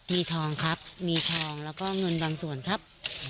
มีทองครับมีทองแล้วก็เงินบางส่วนครับ